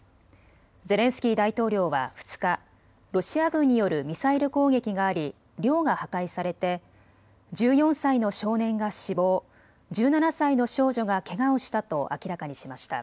ゼレンスキー大統領は２日、ロシア軍によるミサイル攻撃があり、寮が破壊されて１４歳の少年が死亡、１７歳の少女がけがをしたと明らかにしました。